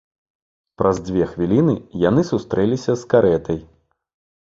Праз дзве хвіліны яны сустрэліся з карэтай.